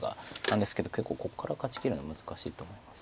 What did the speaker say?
なんですけど結構ここから勝ちきるの難しいと思います。